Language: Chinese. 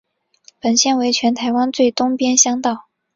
本线为全台湾最东边乡道。